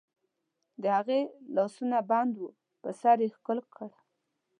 د هغې لاسونه بند وو، په سر یې ښکل کړ.